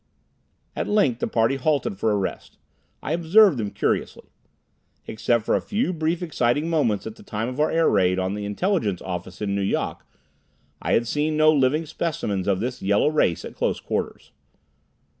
At length the party halted for a rest. I observed them curiously. Except for a few brief exciting moments at the time of our air raid on the intelligence office in Nu Yok, I had seen no living specimens of this yellow race at close quarters.